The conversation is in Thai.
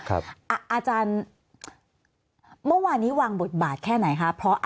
อาจารย์เมื่อวานนี้วางบทบาทแค่ไหนคะ